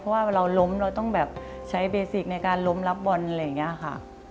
เพราะว่าเราล้มเราต้องแบบใช้เบสิกในการล้มรับบอลอะไรอย่างนี้ค่ะ